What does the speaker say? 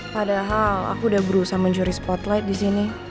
padahal aku udah berusaha mencuri spotlight disini